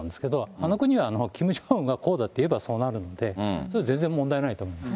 あの国はキム・ジョンウンが、こうだって言えばそうなるんで、全然問題ないと思います。